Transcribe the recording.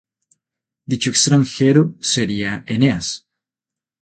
Dicho extranjero sería Eneas.